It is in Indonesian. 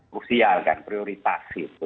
kursial dan prioritas itu